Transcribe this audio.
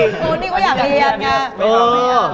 อันนี้ก็อยากเรียนไง